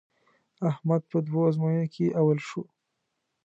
احمد په دوو ازموینو کې اول شو.